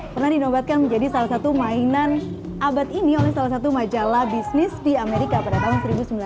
pernah dinobatkan menjadi salah satu mainan abad ini oleh salah satu majalah bisnis di amerika pada tahun seribu sembilan ratus sembilan puluh